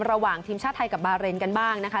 ระหว่างทีมชาติไทยกับบาเรนกันบ้างนะคะ